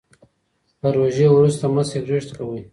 له روژې وروسته مه سګریټ څکوئ.